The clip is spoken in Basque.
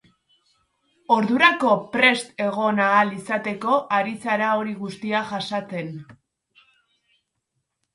Ordurako prest egon ahal izateko ari zara hori guztia jasaten.